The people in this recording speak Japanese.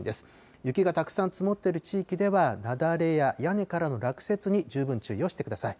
雪がたくさん積もっている地域では、雪崩や屋根からの落雪に十分注意をしてください。